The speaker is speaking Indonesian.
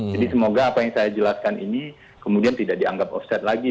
jadi semoga apa yang saya jelaskan ini kemudian tidak dianggap offset lagi